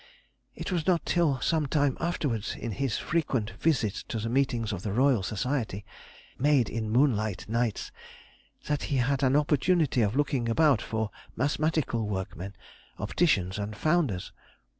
It was not till some time afterwards in his frequent visits to the meetings of the Royal Society (made in moonlight nights), that he had an opportunity of looking about for mathematical workmen, opticians, and founders.